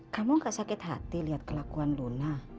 kamu gak sakit hati lihat kelakuan luna